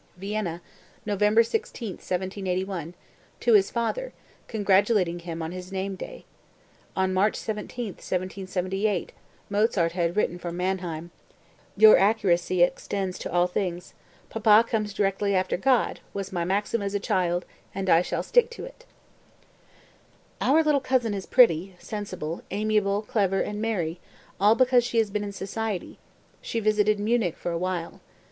(Vienna, November 16, 1781, to his father, congratulating him on his name day. On March 17, 1778, Mozart had written from Mannheim: "Your accuracy extends to all things. 'Papa comes directly after God' was my maxim as a child and I shall stick to it.") 189. "Our little cousin is pretty, sensible, amiable, clever and merry, all because she has been in society; she visited Munich for a while.